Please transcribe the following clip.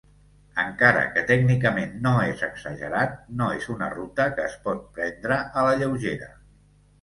Encara que tècnicament no és exagerat, no és una ruta que es pot prendre a la lleugera.